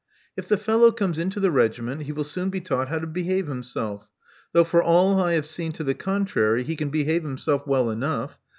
If the fellow comes into the regiment, he will soon be taught how to behave himself. Though for all I have seen to the contrary, he can behave himself well enough.